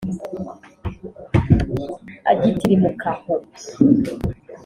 Agitirimuka aho